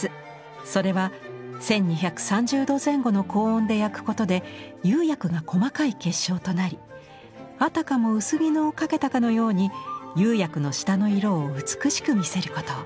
それは１，２３０度前後の高温で焼くことで釉薬が細かい結晶となりあたかも薄絹をかけたかのように釉薬の下の色を美しく見せること。